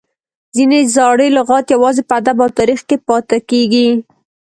ځینې زاړي لغات یوازي په ادب او تاریخ کښي پاته کیږي.